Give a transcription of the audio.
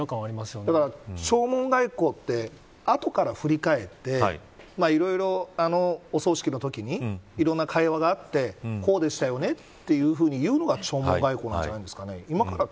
ただ弔問外交ってあとから振り返っていろいろお葬式のときにいろんな会話があってこうでしたよねっていうのが弔問外交なんじゃないですか。